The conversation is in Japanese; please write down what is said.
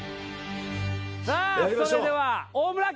さあそれでは大村家！